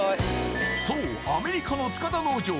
そうアメリカの塚田農場